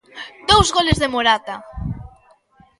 Dous goles de Morata.